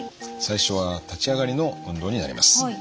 最初は立ち上がりの運動になります。